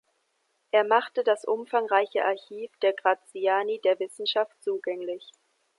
Er machte das umfangreiche Archiv der Graziani der Wissenschaft zugänglich.